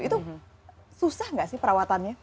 itu susah nggak sih perawatannya